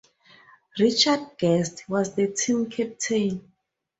Richard Guest was the team captain.